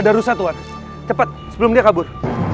tadi saja faridah lihat